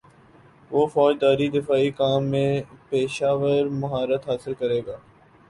وہ فوجداری دفاعی کام میں پیشہور مہارت حاصل کرے گا